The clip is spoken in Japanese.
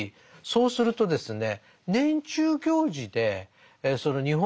そうするとですね